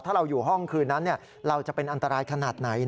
ถ้าเราอยู่ห้องคืนนั้นเราจะเป็นอันตรายขนาดไหน